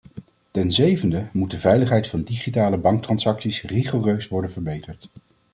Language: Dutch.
Ten zevende moet de veiligheid van digitale banktransacties rigoureus worden verbeterd.